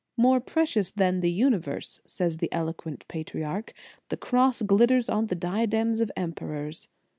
"More precious than the universe," says the eloquent patriarch, "the Cross glitters on the diadems of emperors.